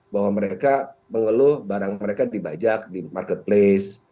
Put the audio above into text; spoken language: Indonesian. bahwa mereka mengeluh barang mereka dibajak di marketplace